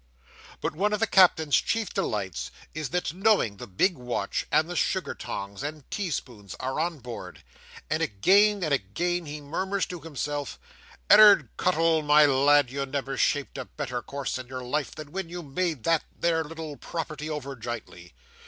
But one of the Captain's chief delights is, that he knows the big watch, and the sugar tongs, and tea spoons, are on board: and again and again he murmurs to himself, "Ed'ard Cuttle, my lad, you never shaped a better course in your life than when you made that there little property over jintly.